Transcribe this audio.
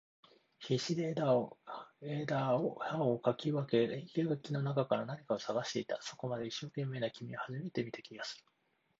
必死で枝を葉を掻き分け、生垣の中から何かを探していた。そこまで一生懸命な君は初めて見た気がする。